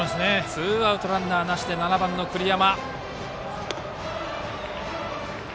ツーアウトランナーなしで７番、栗山。